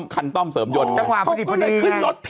ขึ้นต้อมเสริมยนต์